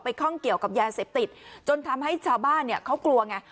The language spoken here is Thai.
ข้องเกี่ยวกับยาเสพติดจนทำให้ชาวบ้านเนี่ยเขากลัวไง